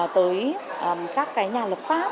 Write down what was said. tới các nhà luật pháp